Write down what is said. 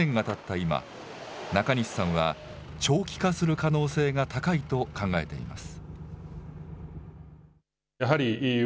今、中西さんは、長期化する可能性が高いと考えています。